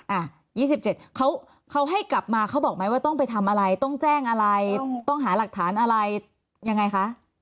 อ่ะ๒๗เขาเขาให้กลับมาเขาบอกไหมว่าต้องไปทำอะไรต้องแจ้งอะไรต้องหาหลักฐานอะไรยังไงคะ